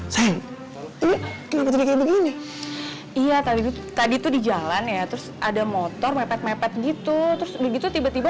saya ini iya tadi tadi tuh di jalan ya terus ada motor mepet mepet gitu terus begitu tiba tiba